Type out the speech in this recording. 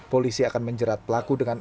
polisi akan menjerat pelaku dengan